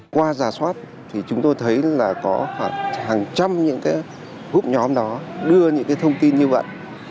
qua giả soát thì chúng tôi thấy là có khoảng hàng trăm những cái hút nhóm đó đưa những cái thông tin như vậy